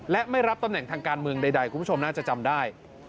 และไม่รับตำแหน่งทางการเมืองใดคุณผู้ชมน่าจะจำได้